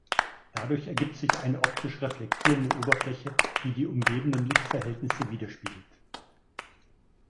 Dadurch ergibt sich eine optisch reflektierende Oberfläche, die die umgebenden Lichtverhältnisse widerspiegelt.